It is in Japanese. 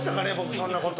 そんなこと。